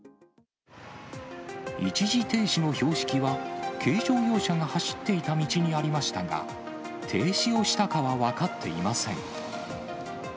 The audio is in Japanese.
一時停止の標識は、軽乗用車が走っていた道にありましたが、停止をしたかは分かっていません。